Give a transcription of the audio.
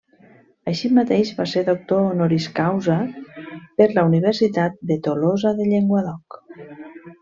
Així mateix va ser Doctor Honoris causa per la Universitat de Tolosa de Llenguadoc.